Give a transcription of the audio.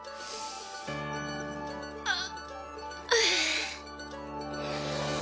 ああ！